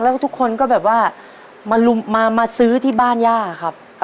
แล้วทุกคนก็แบบว่ามาซื้อที่บ้านย่าครับ